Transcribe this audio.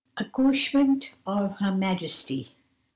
ACCOUCHEMENT OF HER MAJESTY.